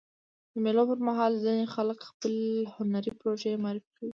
د مېلو پر مهال ځيني خلک خپلي هنري پروژې معرفي کوي.